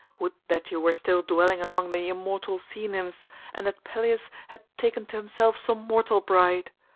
Would that you were still dwelling among the immortal sea nymphs, and that Peleus had taken to himself some mortal bride.